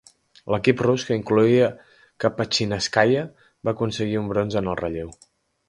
L'equip rus, que incloïa Kapatxínskaia, va aconseguir un bronze en el relleu.